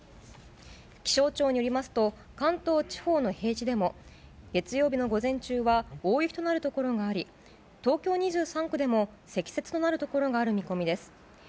気象庁によりますと、関東地方の平地でも、月曜日の午前中は大雪となる所があり、東京２３区でも、積雪となる所がある見込みです。